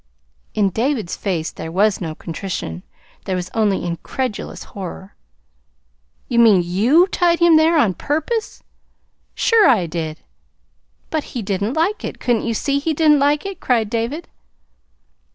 In David's face there was no contrition. There was only incredulous horror. "You mean, YOU tied him there, on purpose?" "Sure I did!" "But he didn't like it. Couldn't you see he didn't like it?" cried David.